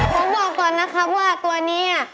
ผมบอกก่อนนะครับว่าตัวนี้